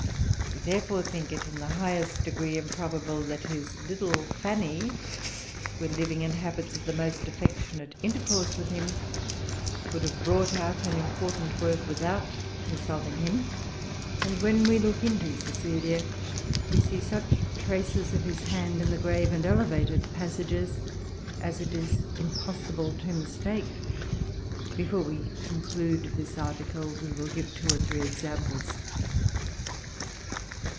We therefore think it in the highest degree improbable that his little Fanny, when living in habits of the most affectionate intercourse with him, would have brought out an important work without consulting him; and, when we look into Cecilia, we see such traces of his hand in the grave and elevated passages as it is impossible[Pg 389] to mistake. Before we conclude this article, we will give two or three examples.